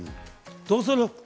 どうする？